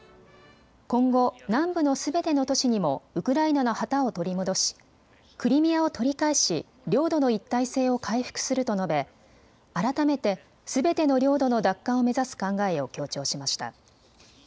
今後、南部のすべての都市にもウクライナの旗を取り戻しクリミアを取り返し領土の一体性を回復すると述べ改めてすべての領土の奪還を目指す考えを強調しました。